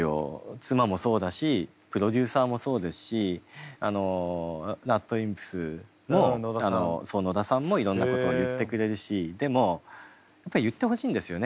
妻もそうだしプロデューサーもそうですしＲＡＤＷＩＭＰＳの野田さんもいろんなことを言ってくれるしでもやっぱり言ってほしいんですよね。